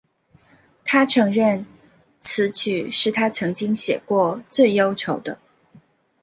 她承认此曲是她曾经写过最忧愁的。